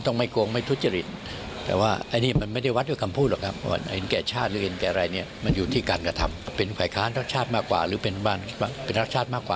พอที่จะเข้าใจถึง